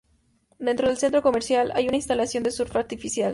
Dentro del centro comercial hay una instalación de surf artificial.